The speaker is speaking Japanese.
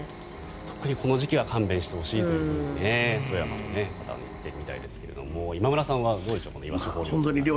特にこの時期は勘弁してほしいと言っているみたいですが今村さんはどうでしょうこのイワシ豊漁。